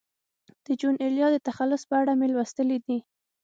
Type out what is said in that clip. د جون ایلیا د تخلص په اړه مې لوستي دي.